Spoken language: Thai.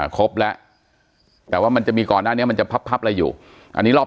ครบแล้วแต่ว่ามันจะมีก่อนหน้านี้มันจะพับอะไรอยู่อันนี้รอบ